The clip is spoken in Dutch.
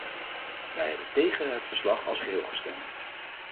Wij hebben tegen het verslag als geheel gestemd.